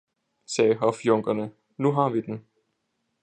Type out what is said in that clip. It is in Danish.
sagde hofjunkerne, nu har vi den!